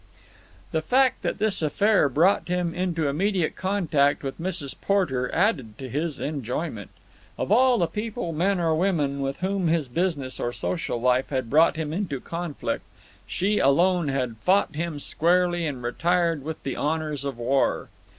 The fact that this affair brought him into immediate contact with Mrs. Porter added to his enjoyment. Of all the people, men or women, with whom his business or social life had brought him into conflict, she alone had fought him squarely and retired with the honours of war.